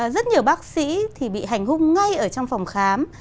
rất nhiều bác sĩ thì bị hành hung ngay ở trong phòng khám